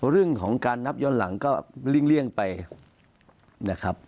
เรื่องของการนับย้อนหลังก็เลี่ยงไปนะครับ